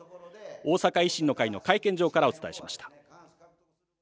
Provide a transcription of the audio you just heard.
大阪維新の会の会見場からお伝えしました。